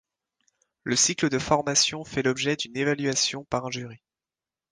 Le cycle de formation fait l'objet d'une évaluation par un jury.